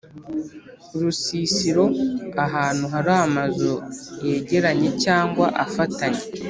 UrusisiroAhantu hari amazu yegeranye cg afatanye